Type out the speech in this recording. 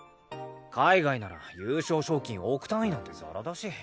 海外なら優勝賞金億単位なんてザラだし。